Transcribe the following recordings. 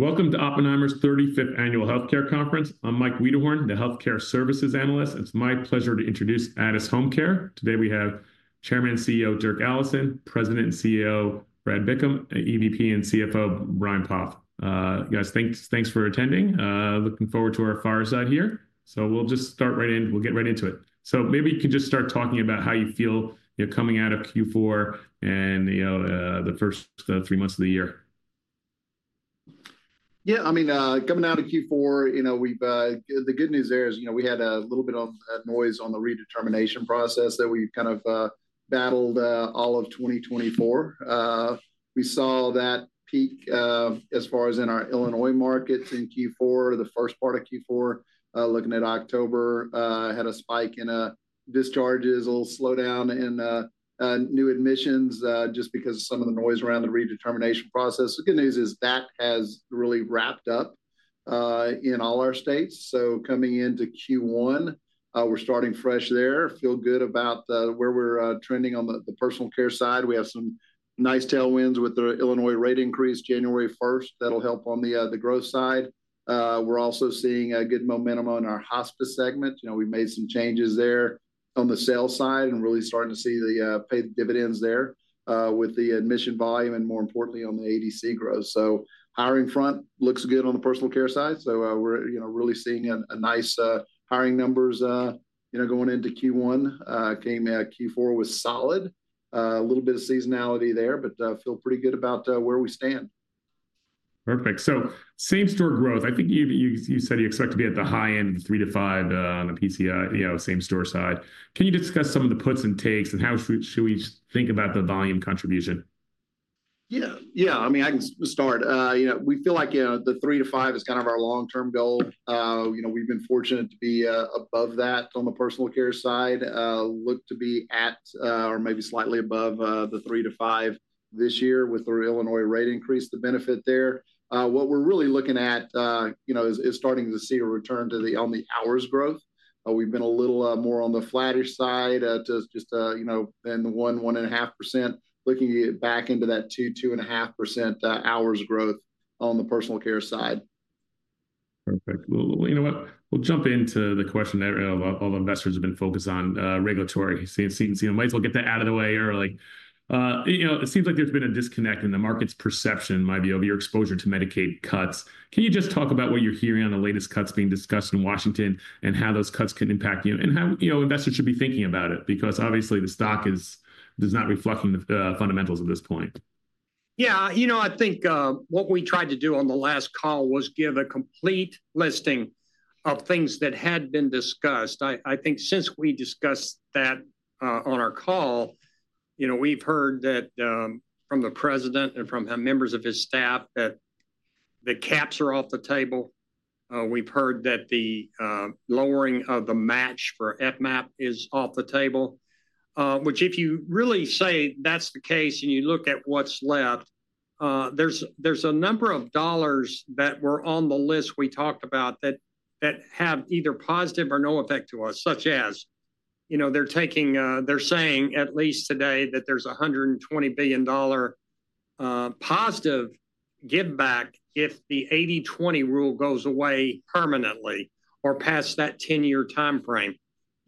Welcome to Oppenheimer's 35th Annual Healthcare conference. I'm Mike Wiederhorn, the Healthcare Services Analyst. It's my pleasure to introduce Addus HomeCare. Today we have Chairman and CEO Dirk Allison, President and COO Brad Bickham, and EVP and CFO Brian Poff. You guys, thanks for attending. Looking forward to our fireside here. We'll just start right in. We'll get right into it. Maybe you could just start talking about how you feel coming out of Q4 and the first three months of the year. Yeah, I mean, coming out of Q4, you know, the good news there is, you know, we had a little bit of noise on the redetermination process that we've kind of battled all of 2024. We saw that peak as far as in our Illinois markets in Q4, the first part of Q4, looking at October, had a spike in discharges, a little slowdown in new admissions just because of some of the noise around the redetermination process. The good news is that has really wrapped up in all our states. Coming into Q1, we're starting fresh there. Feel good about where we're trending on the personal care side. We have some nice tailwinds with the Illinois rate increase January 1st that'll help on the growth side. We're also seeing good momentum on our hospice segment. You know, we've made some changes there on the sales side and really starting to see the pay dividends there with the admission volume and, more importantly, on the ADC growth. Hiring front looks good on the personal care side. So we're, you know, really seeing nice hiring numbers, you know, going into Q1. Came out Q4 was solid, a little bit of seasonality there, but feel pretty good about where we stand. Perfect. Same store growth. I think you said you expect to be at the high end of 3%-5% on the PCS, you know, same store side. Can you discuss some of the puts and takes and how should we think about the volume contribution? Yeah, yeah, I mean, I can start. You know, we feel like, you know, the 3%-5% is kind of our long-term goal. You know, we've been fortunate to be above that on the personal care side. Look to be at or maybe slightly above the 3%-5% this year with the Illinois rate increase, the benefit there. What we're really looking at, you know, is starting to see a return to the on the hours growth. We've been a little more on the flattish side to just, you know, than the one, 1.5%, looking back into that two, 2.5% hours growth on the personal care side. Perfect. You know what, we'll jump into the question that all the investors have been focused on, regulatory. Seems like we'll get that out of the way early. You know, it seems like there's been a disconnect in the market's perception, maybe of your exposure to Medicaid cuts. Can you just talk about what you're hearing on the latest cuts being discussed in Washington and how those cuts can impact you and how, you know, investors should be thinking about it? Because obviously the stock does not reflect the fundamentals at this point. Yeah, you know, I think what we tried to do on the last call was give a complete listing of things that had been discussed. I think since we discussed that on our call, you know, we've heard that from the President and from members of his staff that the caps are off the table. We've heard that the lowering of the match for FMAP is off the table, which if you really say that's the case and you look at what's left, there's a number of dollars that were on the list we talked about that have either positive or no effect to us, such as, you know, they're taking, they're saying at least today that there's a $120 billion positive give back if the 80/20 rule goes away permanently or past that 10-year timeframe.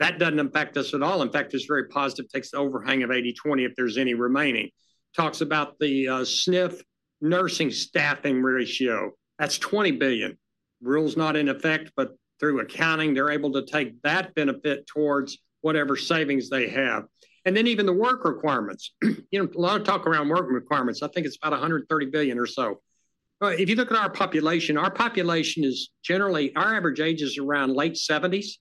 That doesn't affect us at all. In fact, it's very positive. Takes the overhang of 80/20 if there's any remaining. Talks about the SNF nursing staffing ratio. That's $20 billion. Rule's not in effect, but through accounting, they're able to take that benefit towards whatever savings they have. Even the work requirements, you know, a lot of talk around work requirements, I think it's about $130 billion or so. If you look at our population, our population is generally, our average age is around late 70s.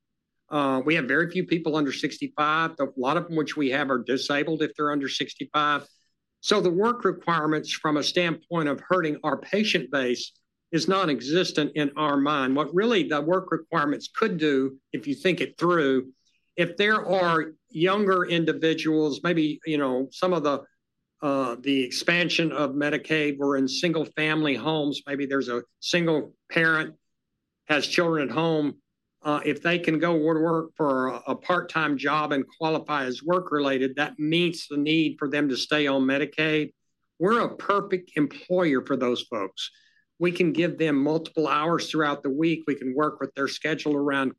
We have very few people under 65, a lot of them which we have are disabled if they're under 65. The work requirements from a standpoint of hurting our patient base is non-existent in our mind. What really the work requirements could do, if you think it through, if there are younger individuals, maybe, you know, some of the expansion of Medicaid, we're in single family homes, maybe there's a single parent has children at home. If they can go to work for a part-time job and qualify as work-related, that meets the need for them to stay on Medicaid. We're a perfect employer for those folks. We can give them multiple hours throughout the week. We can work with their schedule around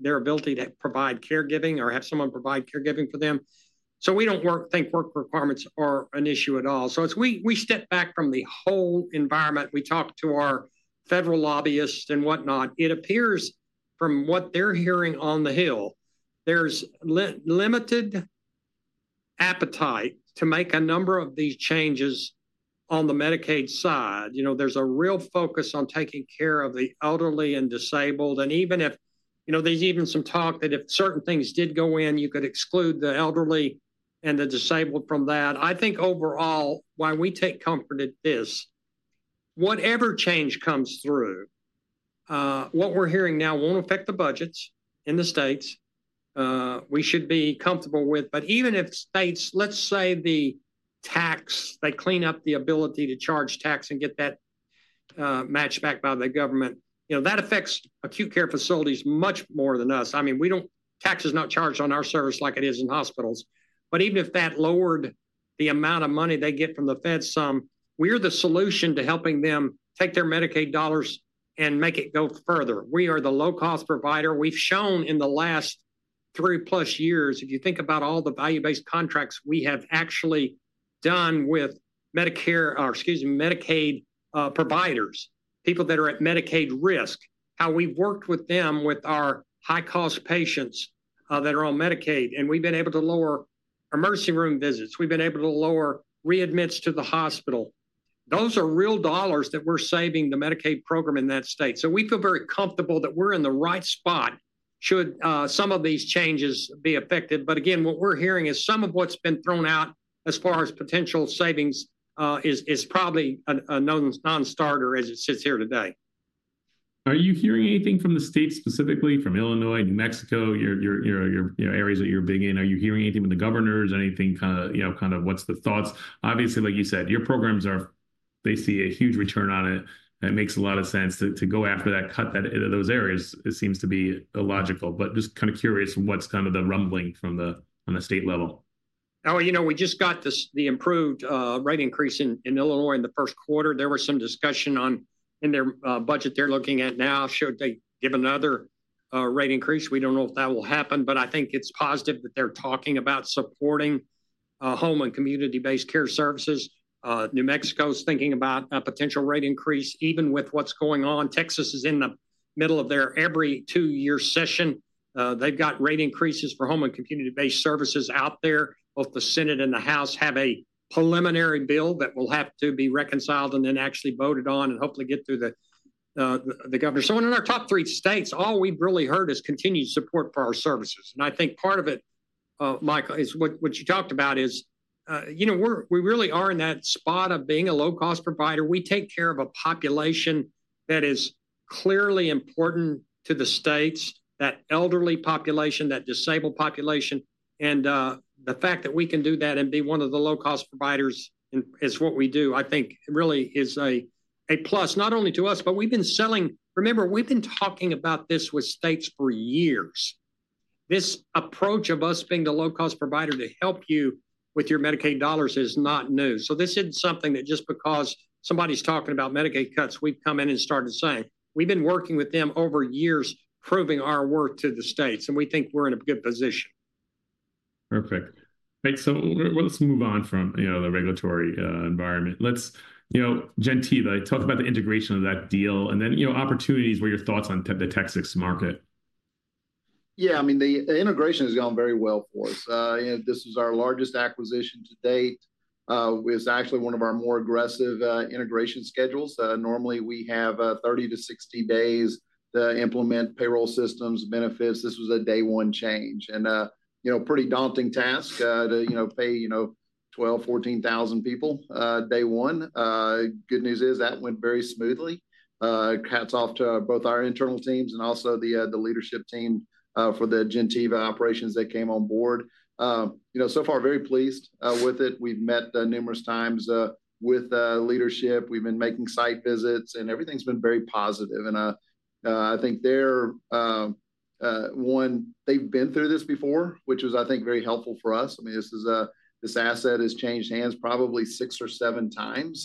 their ability to provide caregiving or have someone provide caregiving for them. We don't think work requirements are an issue at all. As we step back from the whole environment, we talk to our federal lobbyists and whatnot, it appears from what they're hearing on the Hill, there's limited appetite to make a number of these changes on the Medicaid side. You know, there's a real focus on taking care of the elderly and disabled. And even if, you know, there's even some talk that if certain things did go in, you could exclude the elderly and the disabled from that. I think overall, why we take comfort at this, whatever change comes through, what we're hearing now won't affect the budgets in the states. We should be comfortable with, but even if states, let's say the tax, they clean up the ability to charge tax and get that match back by the government, you know, that affects acute care facilities much more than us. I mean, we don't, tax is not charged on our service like it is in hospitals. But even if that lowered the amount of money they get from the Fed some, we're the solution to helping them take their Medicaid dollars and make it go further. We are the low-cost provider. We've shown in the last 3+ years, if you think about all the value-based contracts we have actually done with Medicaid providers, people that are at Medicaid risk, how we've worked with them with our high-cost patients that are on Medicaid. We've been able to lower emergency room visits. We've been able to lower readmits to the hospital. Those are real dollars that we're saving the Medicaid program in that state. We feel very comfortable that we're in the right spot should some of these changes be effected. What we're hearing is some of what's been thrown out as far as potential savings is probably a non-starter as it sits here today. Are you hearing anything from the state specifically, from Illinois, New Mexico, your areas that you're big in? Are you hearing anything from the governors? Anything kind of, you know, kind of what's the thoughts? Obviously, like you said, your programs are, they see a huge return on it. It makes a lot of sense to go after that, cut those areas. It seems to be illogical, but just kind of curious what's kind of the rumbling from the state level. Oh, you know, we just got the improved rate increase in Illinois in the first quarter. There was some discussion on in their budget they're looking at now, should they give another rate increase. We don't know if that will happen, but I think it's positive that they're talking about supporting home and community-based care services. New Mexico's thinking about a potential rate increase even with what's going on. Texas is in the middle of their every two-year session. They've got rate increases for home and community-based services out there. Both the Senate and the House have a preliminary bill that will have to be reconciled and then actually voted on and hopefully get through the governor. In our top three states, all we've really heard is continued support for our services. I think part of it, Mike, is what you talked about is, you know, we really are in that spot of being a low-cost provider. We take care of a population that is clearly important to the states, that elderly population, that disabled population. The fact that we can do that and be one of the low-cost providers is what we do, I think really is a plus, not only to us, but we've been selling, remember, we've been talking about this with states for years. This approach of us being the low-cost provider to help you with your Medicaid dollars is not new. This isn't something that just because somebody's talking about Medicaid cuts, we've come in and started saying. We've been working with them over years proving our worth to the states. We think we're in a good position. Perfect. Thanks. Let's move on from, you know, the regulatory environment. Let's, you know, Gentiva, talk about the integration of that deal and then, you know, opportunities where your thoughts on the Texas market. Yeah, I mean, the integration has gone very well for us. This is our largest acquisition to date. It was actually one of our more aggressive integration schedules. Normally we have 30-60 days to implement payroll systems, benefits. This was a day one change. You know, pretty daunting task to, you know, pay, you know, 12,000-14,000 people day one. Good news is that went very smoothly. Hats off to both our internal teams and also the leadership team for the Gentiva operations that came on board. You know, so far very pleased with it. We've met numerous times with leadership. We've been making site visits and everything's been very positive. I think they're one, they've been through this before, which was, I think, very helpful for us. I mean, this asset has changed hands probably six or seven times.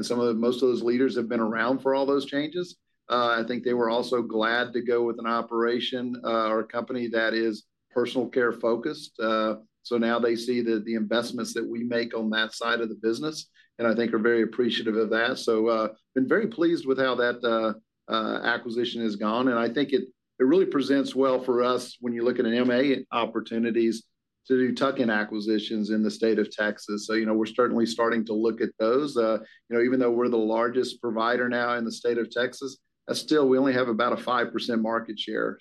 Some of the, most of those leaders have been around for all those changes. I think they were also glad to go with an operation or a company that is personal care focused. Now they see the investments that we make on that side of the business and I think are very appreciative of that. Been very pleased with how that acquisition has gone. I think it really presents well for us when you look at M&A opportunities to do tuck-in acquisitions in the state of Texas. You know, we're certainly starting to look at those. You know, even though we're the largest provider now in the state of Texas, still we only have about a 5% market share.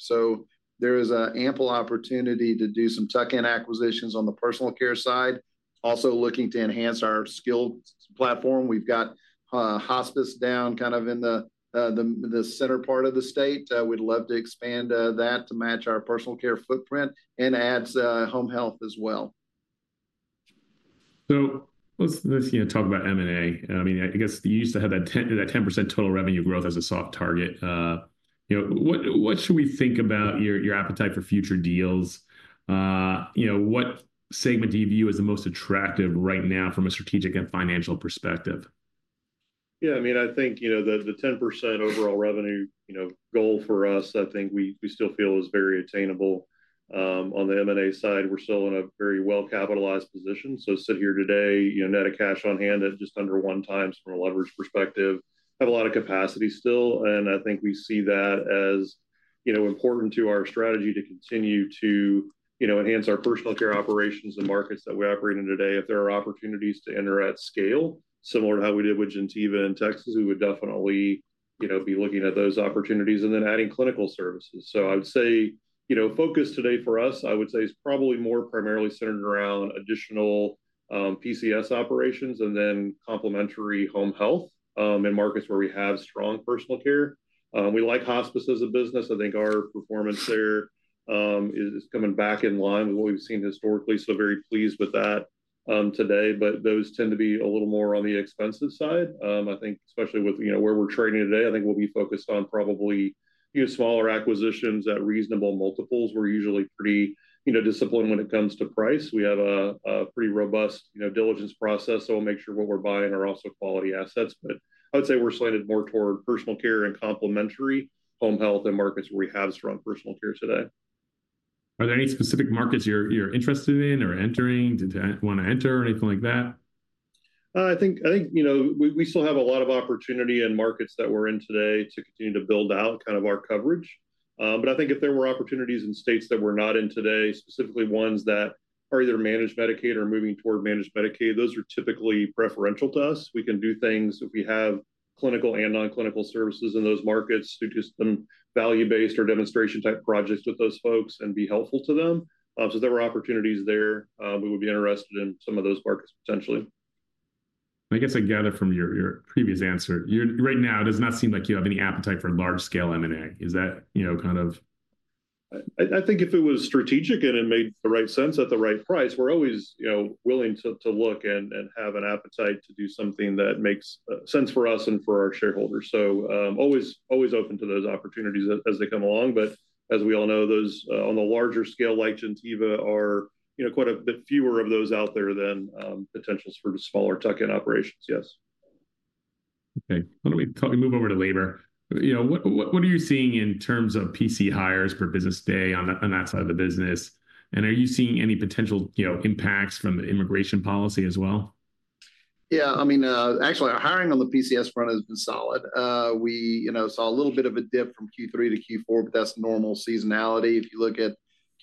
There is an ample opportunity to do some tuck-in acquisitions on the personal care side. Also looking to enhance our skilled platform. We've got hospice down kind of in the center part of the state. We'd love to expand that to match our personal care footprint and add home health as well. Let's talk about M&A. I mean, I guess you used to have that 10% total revenue growth as a soft target. You know, what should we think about your appetite for future deals? You know, what segment do you view as the most attractive right now from a strategic and financial perspective? Yeah, I mean, I think, you know, the 10% overall revenue, you know, goal for us, I think we still feel is very attainable. On the M&A side, we're still in a very well-capitalized position. Sit here today, you know, net of cash on hand at just under one times from a leverage perspective. Have a lot of capacity still. I think we see that as, you know, important to our strategy to continue to, you know, enhance our personal care operations and markets that we operate in today. If there are opportunities to enter at scale, similar to how we did with Gentiva in Texas, we would definitely, you know, be looking at those opportunities and then adding clinical services. I would say, you know, focus today for us, I would say is probably more primarily centered around additional PCS operations and then complementary home health in markets where we have strong personal care. We like hospice as a business. I think our performance there is coming back in line with what we've seen historically. Very pleased with that today, but those tend to be a little more on the expensive side. I think especially with, you know, where we're trading today, I think we'll be focused on probably, you know, smaller acquisitions at reasonable multiples. We're usually pretty, you know, disciplined when it comes to price. We have a pretty robust, you know, diligence process. We'll make sure what we're buying are also quality assets. I would say we're slanted more toward personal care and complementary home health and markets where we have strong personal care today. Are there any specific markets you're interested in or entering, want to enter or anything like that? I think, you know, we still have a lot of opportunity in markets that we're in today to continue to build out kind of our coverage. I think if there were opportunities in states that we're not in today, specifically ones that are either managed Medicaid or moving toward managed Medicaid, those are typically preferential to us. We can do things if we have clinical and non-clinical services in those markets to do some value-based or demonstration type projects with those folks and be helpful to them. There were opportunities there. We would be interested in some of those markets potentially. I guess I gather from your previous answer, right now it does not seem like you have any appetite for large scale M&A. Is that, you know, kind of? I think if it was strategic and it made the right sense at the right price, we're always, you know, willing to look and have an appetite to do something that makes sense for us and for our shareholders. Always open to those opportunities as they come along. As we all know, those on the larger scale like Gentiva are, you know, quite a bit fewer of those out there than potentials for smaller tuck-in operations. Yes. Okay. Let me move over to labor. You know, what are you seeing in terms of PCS hires per business day on that side of the business? And are you seeing any potential, you know, impacts from the immigration policy as well? Yeah, I mean, actually our hiring on the PCS front has been solid. We, you know, saw a little bit of a dip from Q3 to Q4, but that's normal seasonality. If you look at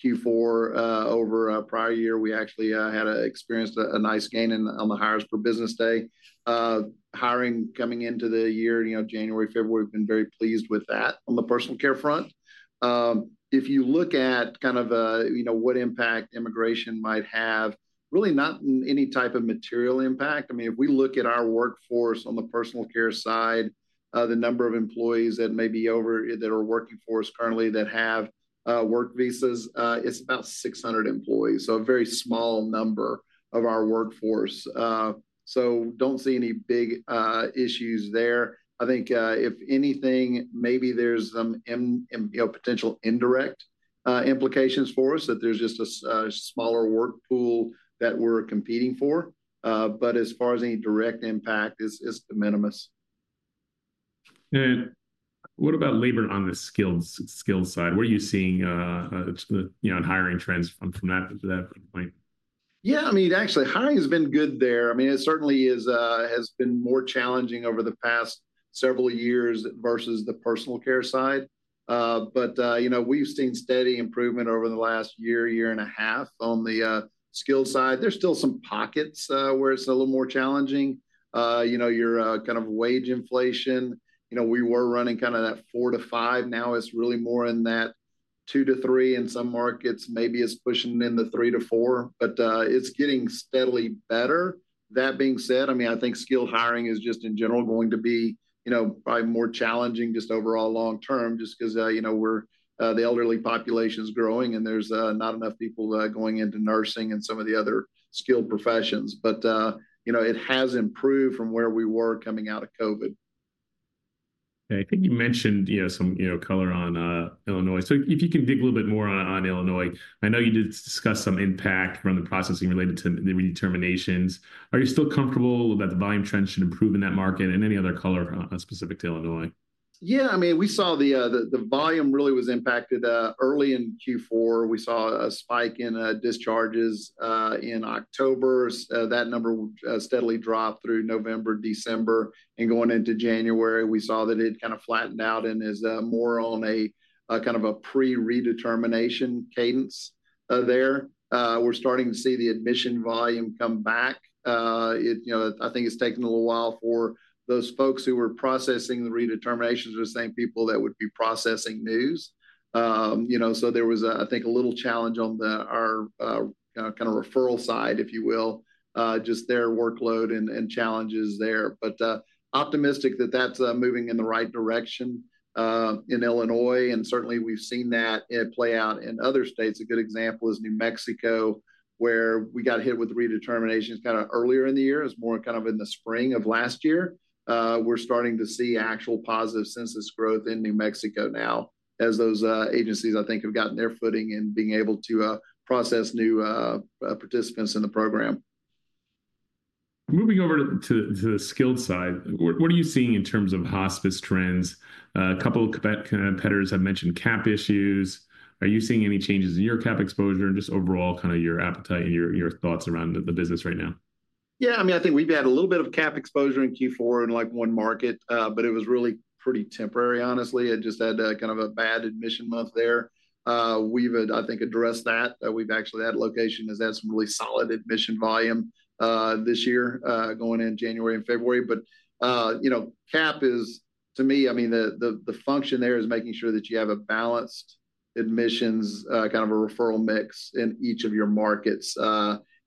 Q4 over a prior year, we actually had experienced a nice gain on the hires per business day. Hiring coming into the year, you know, January, February, we've been very pleased with that on the personal care front. If you look at kind of, you know, what impact immigration might have, really not any type of material impact. I mean, if we look at our workforce on the personal care side, the number of employees that may be over that are working for us currently that have work visas, it's about 600 employees. So a very small number of our workforce. So do not see any big issues there. I think if anything, maybe there's some, you know, potential indirect implications for us that there's just a smaller work pool that we're competing for. As far as any direct impact, it's de minimis. What about labor on the skilled side? What are you seeing, you know, in hiring trends from that point? Yeah, I mean, actually hiring has been good there. I mean, it certainly has been more challenging over the past several years versus the personal care side. But, you know, we've seen steady improvement over the last year, year and a half on the skilled side. There's still some pockets where it's a little more challenging. You know, your kind of wage inflation, you know, we were running kind of that 4%-5%. Now it's really more in that 2%-3% in some markets, maybe it's pushing in the 3%-4%, but it's getting steadily better. That being said, I mean, I think skilled hiring is just in general going to be, you know, probably more challenging just overall long term, just because, you know, the elderly population is growing and there's not enough people going into nursing and some of the other skilled professions. You know, it has improved from where we were coming out of COVID. I think you mentioned, you know, some, you know, color on Illinois. If you can dig a little bit more on Illinois, I know you did discuss some impact around the processing related to the redeterminations. Are you still comfortable that the volume trend should improve in that market and any other color specific to Illinois? Yeah, I mean, we saw the volume really was impacted early in Q4. We saw a spike in discharges in October. That number steadily dropped through November, December, and going into January, we saw that it kind of flattened out and is more on a kind of a pre-redetermination cadence there. We're starting to see the admission volume come back. You know, I think it's taken a little while for those folks who were processing the redeterminations are the same people that would be processing news. You know, so there was, I think, a little challenge on our kind of referral side, if you will, just their workload and challenges there. Optimistic that that's moving in the right direction in Illinois. Certainly we've seen that play out in other states. A good example is New Mexico where we got hit with redeterminations kind of earlier in the year. It's more kind of in the spring of last year. We're starting to see actual positive census growth in New Mexico now as those agencies, I think, have gotten their footing in being able to process new participants in the program. Moving over to the skilled side, what are you seeing in terms of hospice trends? A couple of competitors have mentioned cap issues. Are you seeing any changes in your cap exposure and just overall kind of your appetite and your thoughts around the business right now? Yeah, I mean, I think we've had a little bit of cap exposure in Q4 in like one market, but it was really pretty temporary, honestly. It just had kind of a bad admission month there. We've, I think, addressed that. We've actually had a location that has had some really solid admission volume this year going in January and February. You know, cap is, to me, I mean, the function there is making sure that you have a balanced admissions kind of a referral mix in each of your markets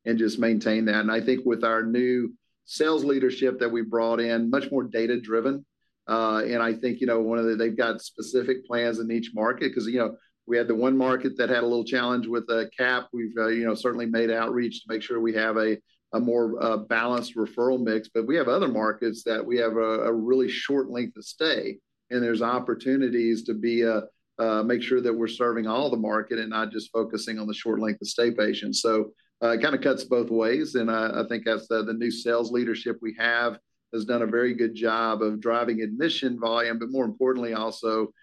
and just maintain that. I think with our new sales leadership that we brought in, much more data-driven. I think, you know, one of the, they've got specific plans in each market because, you know, we had the one market that had a little challenge with a cap. We've, you know, certainly made outreach to make sure we have a more balanced referral mix. We have other markets that we have a really short length of stay and there's opportunities to make sure that we're serving all the market and not just focusing on the short length of stay patients. It kind of cuts both ways. I think as the new sales leadership we have has done a very good job of driving admission volume, but more importantly also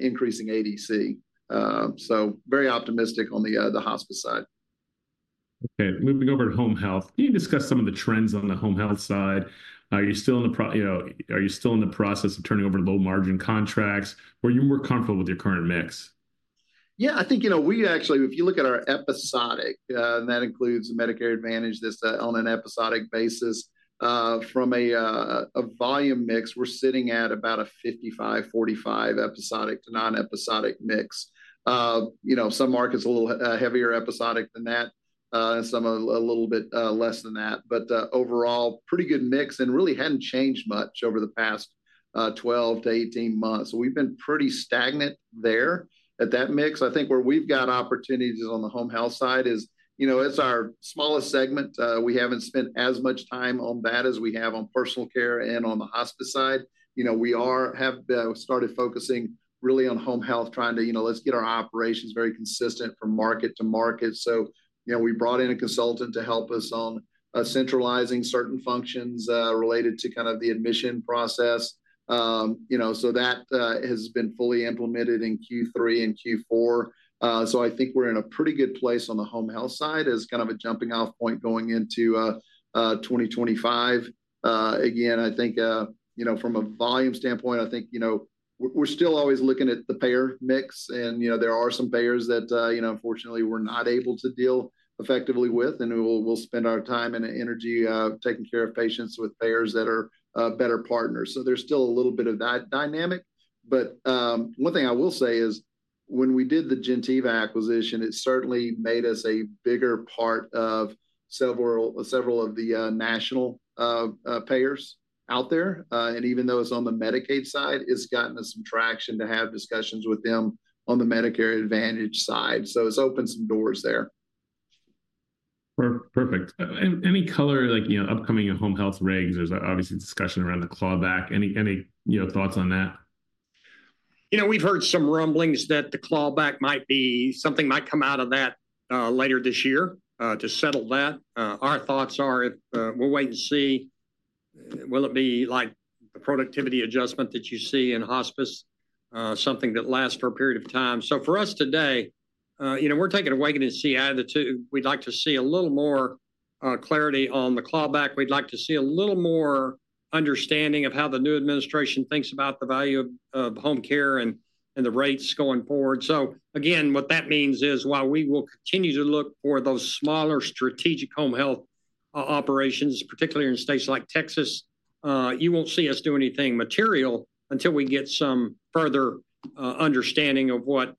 increasing ADC. Very optimistic on the hospice side. Okay. Moving over to home health. Can you discuss some of the trends on the home health side? Are you still in the, you know, are you still in the process of turning over low margin contracts or are you more comfortable with your current mix? Yeah, I think, you know, we actually, if you look at our episodic, and that includes Medicare Advantage that's on an episodic basis from a volume mix, we're sitting at about a 55-45 episodic to non-episodic mix. You know, some markets a little heavier episodic than that and some a little bit less than that. Overall, pretty good mix and really had not changed much over the past 12 to 18 months. We have been pretty stagnant there at that mix. I think where we've got opportunities on the home health side is, you know, it's our smallest segment. We have not spent as much time on that as we have on personal care and on the hospice side. You know, we have started focusing really on home health, trying to, you know, let's get our operations very consistent from market to market. You know, we brought in a consultant to help us on centralizing certain functions related to kind of the admission process. You know, that has been fully implemented in Q3 and Q4. I think we're in a pretty good place on the home health side as kind of a jumping off point going into 2025. Again, I think, you know, from a volume standpoint, I think, you know, we're still always looking at the payer mix and, you know, there are some payers that, you know, unfortunately we're not able to deal effectively with and we'll spend our time and energy taking care of patients with payers that are better partners. There's still a little bit of that dynamic. One thing I will say is when we did the Gentiva acquisition, it certainly made us a bigger part of several of the national payers out there. Even though it is on the Medicaid side, it has gotten us some traction to have discussions with them on the Medicare Advantage side. It has opened some doors there. Perfect. Any color, like, you know, upcoming home health regs? There's obviously discussion around the clawback. Any, you know, thoughts on that? You know, we've heard some rumblings that the clawback might be something might come out of that later this year to settle that. Our thoughts are, we'll wait and see. Will it be like the productivity adjustment that you see in hospice, something that lasts for a period of time? For us today, you know, we're taking a wait and see attitude. We'd like to see a little more clarity on the clawback. We'd like to see a little more understanding of how the new administration thinks about the value of home care and the rates going forward. What that means is while we will continue to look for those smaller strategic home health operations, particularly in states like Texas, you won't see us do anything material until we get some further understanding of what's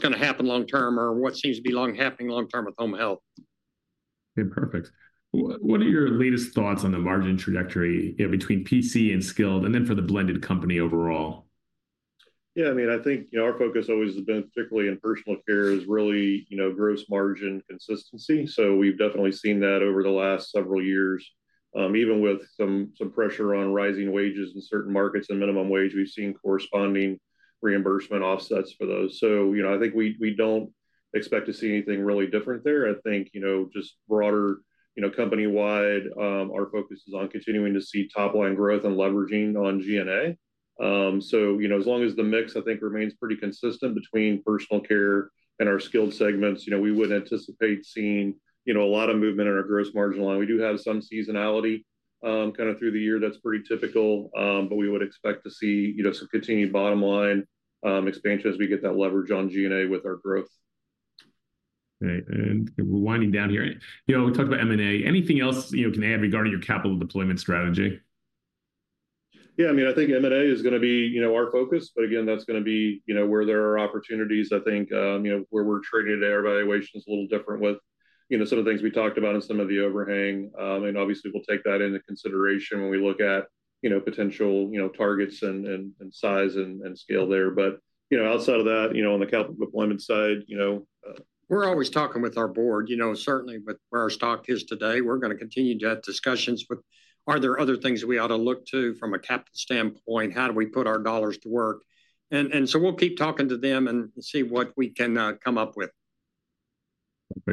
going to happen long term or what seems to be happening long term with home health. Okay. Perfect. What are your latest thoughts on the margin trajectory between PCS and skilled and then for the blended company overall? Yeah, I mean, I think, you know, our focus always has been, particularly in personal care, is really, you know, gross margin consistency. So we've definitely seen that over the last several years, even with some pressure on rising wages in certain markets and minimum wage. We've seen corresponding reimbursement offsets for those. You know, I think we don't expect to see anything really different there. I think, you know, just broader, you know, company-wide, our focus is on continuing to see top-line growth and leveraging on G&A. You know, as long as the mix, I think, remains pretty consistent between personal care and our skilled segments, you know, we wouldn't anticipate seeing, you know, a lot of movement in our gross margin line. We do have some seasonality kind of through the year that's pretty typical, but we would expect to see, you know, some continued bottom line expansion as we get that leverage on G&A with our growth. Okay. And we're winding down here. You know, we talked about M&A. Anything else, you know, can add regarding your capital deployment strategy? Yeah, I mean, I think M&A is going to be, you know, our focus. But again, that's going to be, you know, where there are opportunities. I think, you know, where we're trading today, our valuation is a little different with, you know, some of the things we talked about and some of the overhang. And obviously, we'll take that into consideration when we look at, you know, potential, you know, targets and size and scale there. But, you know, outside of that, you know, on the capital deployment side, you know. We're always talking with our board, you know, certainly with where our stock is today. We're going to continue to have discussions. But are there other things we ought to look to from a capital standpoint? How do we put our dollars to work? We will keep talking to them and see what we can come up with.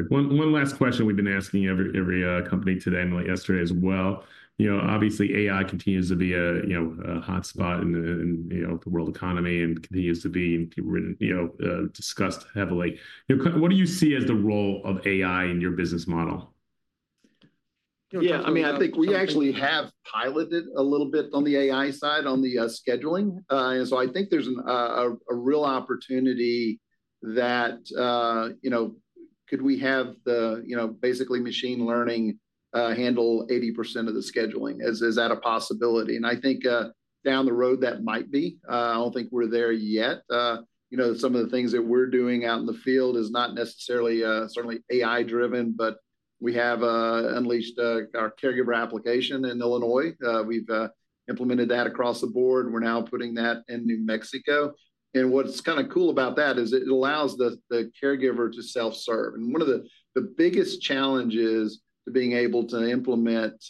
One last question we've been asking every company today, yesterday as well. You know, obviously AI continues to be a, you know, hotspot in the world economy and continues to be, you know, discussed heavily. You know, what do you see as the role of AI in your business model? Yeah, I mean, I think we actually have piloted a little bit on the AI side on the scheduling. I think there's a real opportunity that, you know, could we have the, you know, basically machine learning handle 80% of the scheduling? Is that a possibility? I think down the road that might be. I don't think we're there yet. You know, some of the things that we're doing out in the field is not necessarily certainly AI-driven, but we have unleashed our caregiver application in Illinois. We've implemented that across the board. We're now putting that in New Mexico. What's kind of cool about that is it allows the caregiver to self-serve. One of the biggest challenges to being able to implement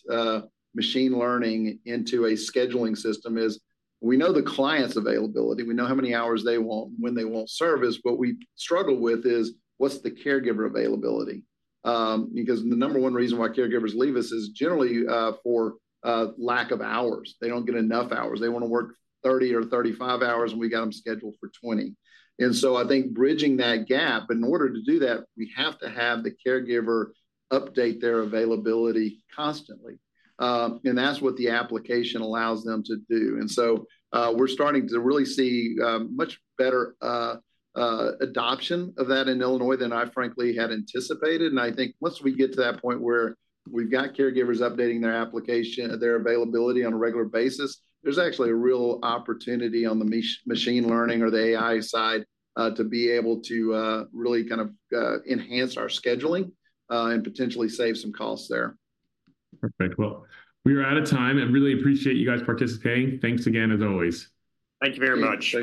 machine learning into a scheduling system is we know the client's availability. We know how many hours they want and when they want service. What we struggle with is what's the caregiver availability? Because the number one reason why caregivers leave us is generally for lack of hours. They do not get enough hours. They want to work 30 or 35 hours and we got them scheduled for 20. I think bridging that gap, in order to do that, we have to have the caregiver update their availability constantly. That is what the application allows them to do. We are starting to really see much better adoption of that in Illinois than I frankly had anticipated. I think once we get to that point where we've got caregivers updating their application, their availability on a regular basis, there's actually a real opportunity on the machine learning or the AI side to be able to really kind of enhance our scheduling and potentially save some costs there. Perfect. We are out of time. I really appreciate you guys participating. Thanks again as always. Thank you very much.